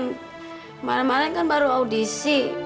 kemarin malam kan baru audisi